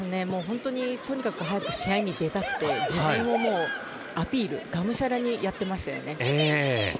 とにかく早く試合に出たくて、自分をアピール、がむしゃらにやっていましたよね。